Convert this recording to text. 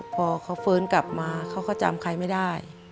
พอเขาฟื้นกลับมาเขาก็จำใครไม่ได้